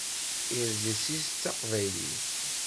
Idles-is d taqbaylit.